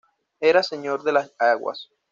Era "Señor de las aguas".